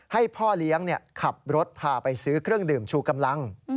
ให้พ่อเลี้ยงขับรถพาไปซื้อเครื่องดื่มชูกำลัง